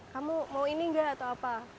kamu mau ini enggak atau apa